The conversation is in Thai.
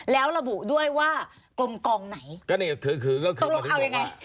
แล้วระบุด้วยว่ากลมกองไหนก็นี่คือก็คือตกลงเอายังไง